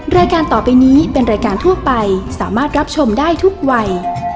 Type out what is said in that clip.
รายการต่อไปนี้เป็นรายการทั่วไปสามารถรับชมได้ทุกวัย